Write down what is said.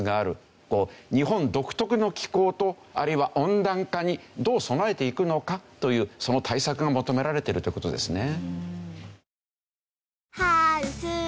日本独特の気候とあるいは温暖化にどう備えていくのかというその対策が求められているという事ですね。